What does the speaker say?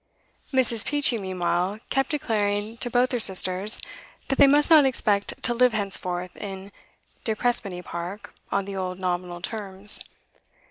Mrs. Peachey, meanwhile, kept declaring to both her sisters that they must not expect to live henceforth in De Crespigny Park on the old nominal terms.